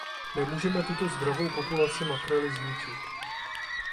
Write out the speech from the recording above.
Nemůžeme tuto zdravou populaci makrely zničit.